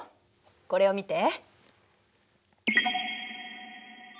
これを見て。